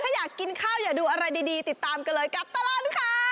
ถ้าอยากกินข้าวอย่าดูอะไรดีติดตามกันเลยกับตลอดข่าว